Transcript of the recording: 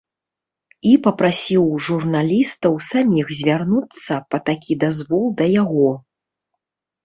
І папрасіў журналістаў саміх звярнуцца па такі дазвол для яго.